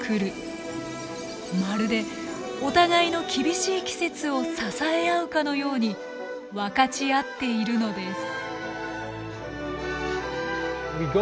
まるでお互いの厳しい季節を支え合うかのように分かち合っているのです。